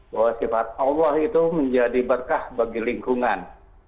bahwa sifat allah itu menjadi berkah bagi lingkungan